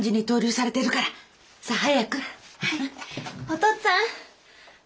お父っつぁん。